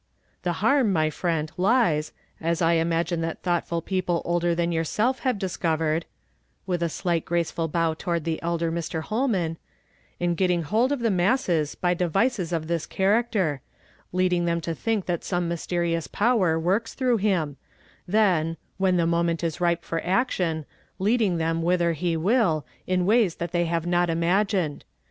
"The harm, my friend, lies, as I imagine that thoughtful p : .pie older than yourself have dis covered" — with a slight graceful bow toward the el ler Mr. Holman, —« in getting hold of the "THEY OPENED Tit Kill MOUTH." 73 ma8S( s by devices of this character ; h'ading tliciii to think that some mysterious power works throii*^li him; then, when the moment is ripe Tor action, leading tlieni wliither he will, in wa}s that they have m t imagined.